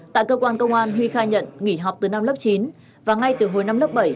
tại cơ quan công an huy khai nhận nghỉ học từ năm lớp chín và ngay từ hồi năm lớp bảy